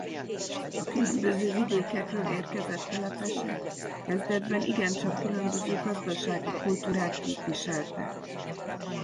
A különböző vidékekről érkezett telepesek kezdetben igencsak különböző gazdasági kultúrát képviseltek.